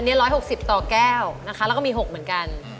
นี่๑๖๐ต่อแก้วนะคะแล้วก็มี๖เหมือนกัน